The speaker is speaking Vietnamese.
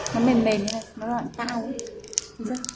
nó mềm mềm thế này nó rất là cao